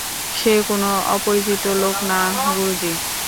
সে কোন অপরিচিত লোক না, গুরুজি।